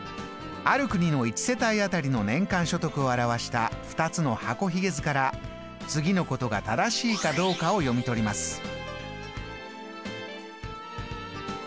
ある国の１世帯あたりの年間所得を表した２つの箱ひげ図から次のことが正しいかどうかを読み取ります。